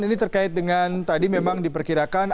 ini terkait dengan tadi memang diperkirakan